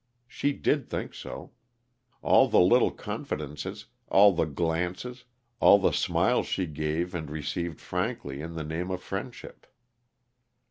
She did think so. All the little confidences, all the glances, all the smiles, she gave and received frankly, in the name of friendship.